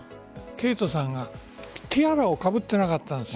ケイトさんはティアラをかぶっていなかったんです。